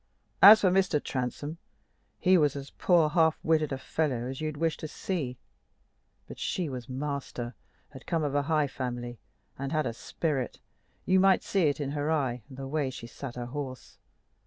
As for Mr. Transome, he was as poor, half witted a fellow as you'd wish to see; but she was master, had come of a high family, and had a spirit you might see it in her eye and the way she sat her horse.